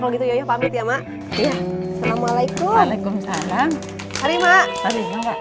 kalau gitu ya pamit ya mak iya assalamualaikum waalaikumsalam hari mak hari semua pak